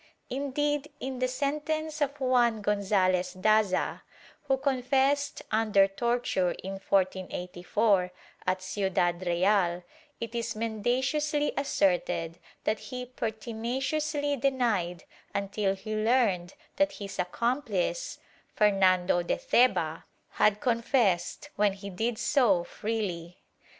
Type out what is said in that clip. Indeed, in the sentence of Juan Gonzalez Daza, who confessed under torture in 1484, at Ciudad Real, it is mendaciously asserted that he pertinaciously denied until he learned that his accomplice, Fernando de Theba, had confessed, when he did so freely.